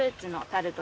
タルト。